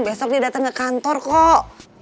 besok dia datang ke kantor kok